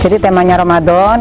jadi temanya ramadan